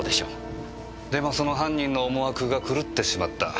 でもその犯人の思惑が狂ってしまった。